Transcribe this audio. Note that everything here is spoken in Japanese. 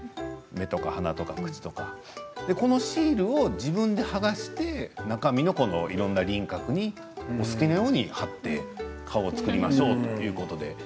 目とか鼻とか口とかこのシールを自分で剥がして中身のいろんな輪郭にお好きなように貼って顔を作りましょうということなんですね。